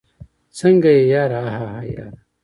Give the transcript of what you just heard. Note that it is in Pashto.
څنګه يې ياره؟ هههه ياره